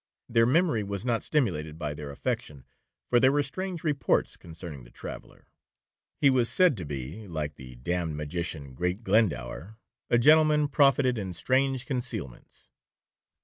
Their memory was not stimulated by their affection, for there were strange reports concerning the traveller. He was said to be (like the 'damned magician, great Glendower,') 'a gentleman profited in strange concealments.'